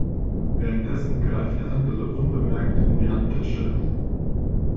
Währenddessen greift der andere unbemerkt in die Handtasche.